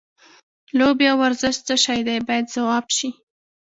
لوبې او ورزش څه شی دی باید ځواب شي.